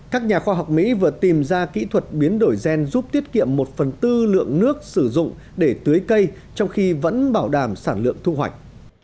các nhà khoa học mỹ vừa tìm ra kỹ thuật biến đổi gen giúp tiết kiệm một phần tư lượng nước sử dụng để tưới cây trong khi vẫn bảo đảm sản lượng thu hoạch